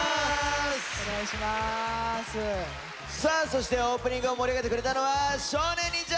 そしてオープニングを盛り上げてくれたのは少年忍者！